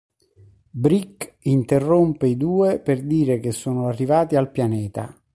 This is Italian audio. Brick interrompe i due per dire che sono arrivati al pianeta.